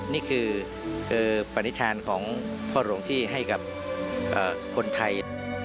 นี่คือปฏิฐานของพ่อหลวงที่ให้กับคนไทย